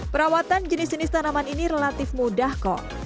perawatan jenis jenis tanaman ini relatif mudah kok